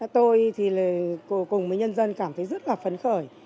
tôi thì cùng với nhân dân cảm thấy rất là phấn khởi